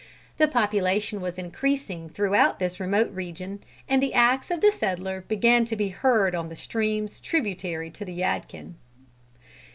The population was increasing throughout this remote region, and the axe of the settler began to be heard on the streams tributary to the Yadkin.